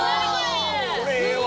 これええわ！